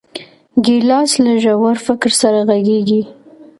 ګیلاس له ژور فکر سره غږېږي.